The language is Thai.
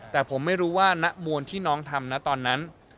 แต่ผมไม่รู้ว่าณมวลที่น้องทำนะตอนนั้น